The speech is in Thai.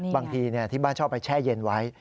บางทีที่บ้านชอบไปแช่เย็นไว้